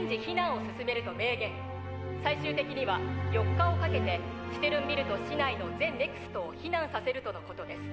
最終的には４日をかけてシュテルンビルト市内の全ＮＥＸＴを避難させるとのことです。